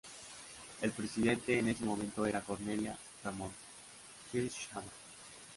El presidente en ese momento era Cornelia Ramondt-Hirschmann.